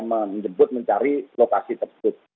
menjemput mencari lokasi tersebut